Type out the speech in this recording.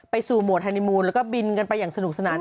สู่โหมดไฮนิมูลแล้วก็บินกันไปอย่างสนุกสนาน